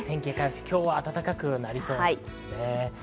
今日、暖かくなりそうですね。